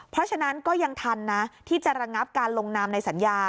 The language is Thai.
เพราะฉะนั้นก็ยังทันนะที่จะระงับการลงนามในสัญญา